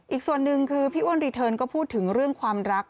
อีกส่วนหนึ่งคือพี่อ้วนรีเทิร์นก็พูดถึงเรื่องความรัก